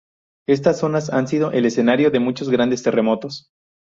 Estas zonas han sido el escenario de muchos grandes terremotos.